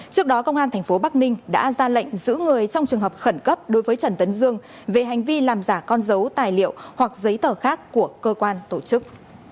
trước đó công an tp bắc ninh đã ra lệnh giữ người trong trường hợp khẩn cấp đối với trần tấn dương về hành vi làm giả con dấu tài liệu hoặc giấy tờ khác của cơ quan tổ chức